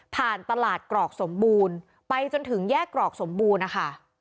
ตลาดกรอกสมบูรณ์ไปจนถึงแยกกรอกสมบูรณ์นะคะ